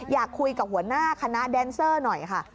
อยากคุยกับหัวหน้าคณะแดนเซอร์หน่อยค่ะ